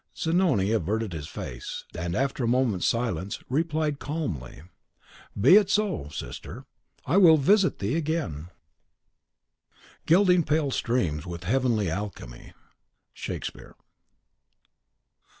Zanoni averted his face, and, after a moment's silence, replied calmly, "Be it so. Sister, I will visit thee again!" CHAPTER 3.II. Gilding pale streams with heavenly alchemy. Shakespeare.